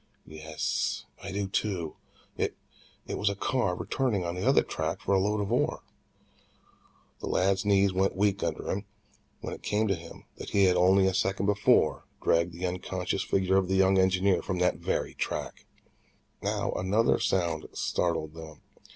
"Yes, I do too. It it was a car returning on the other track for a load of ore." The lad's knees went weak under him when it came to him that he had only a second before dragged the unconscious figure of the young engineer from that very track. Now still another sound startled them.